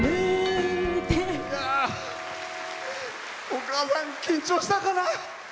お母さん、緊張したかな。